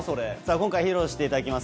今回、披露していただきます